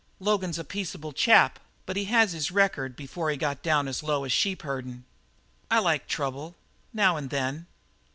Logan's a peaceable chap, but he has his record before he got down as low as sheepherdin'." "I like trouble now and then."